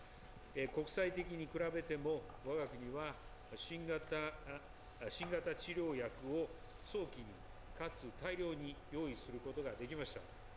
国際的に比べても、我が国は新型治療薬を早期かつ大量に用意することができました。